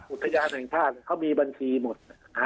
อุทยานแห่งชาติเขามีบัญชีหมด